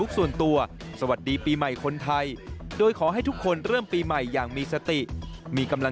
ส่วนตัวเองในฐานะนายกรัฐมนตรีและรัฐบาล